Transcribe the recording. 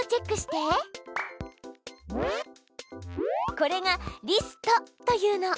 これがリストというの。